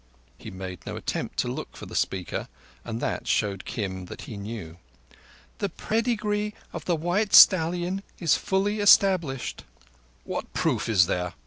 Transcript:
He made no attempt to look for the speaker, and that showed Kim that he knew. "The pedigree of the white stallion is fully established." "What proof is there?"